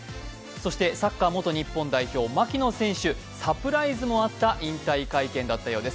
そしてサッカー元日本代表、槙野選手サプライズもあった引退会見だったようです。